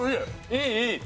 いいいい！